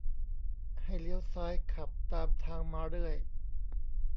ให้เลี้ยวซ้ายขับตามทางมาเรื่อย